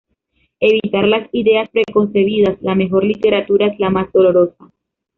Evitar las ideas preconcebidas, la mejor literatura es la más dolorosa.